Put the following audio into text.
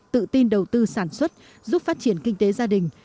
tự tin đầu tư sản xuất giúp phát triển kinh tế gia đình